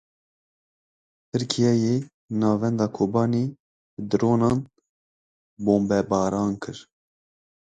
Tirkiyeyê navenda Kobanî bi dronan bombebaran kir.